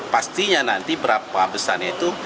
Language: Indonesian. pastinya nanti berapa besarnya itu